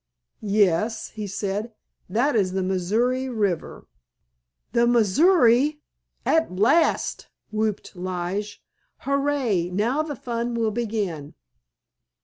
"Yes," he said, "that is the Missouri River." "The Missouri—at last!" whooped Lige, "hurray, now the fun will begin!"